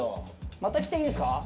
また来ていいですか？